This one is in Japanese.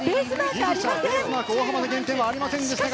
ベースマーク、大幅な減点はありませんでした。